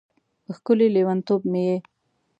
ښکلی لیونتوب مې یې